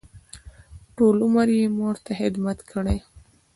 ټول عمر یې مور ته خدمت کړی.